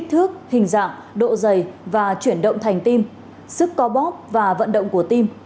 hình dạng độ dày và chuyển động thành tim sức có bóp và vận động của tim